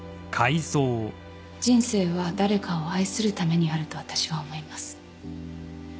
人生は誰かを愛するためにあると私は思います